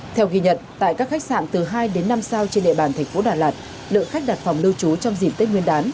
theo ghi nhận tại các khách sạn từ hai đến năm sao trên địa bàn thành phố đà lạt lượng khách đặt phòng lưu trú trong dịp tết nguyên đán